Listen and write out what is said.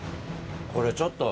これちょっと。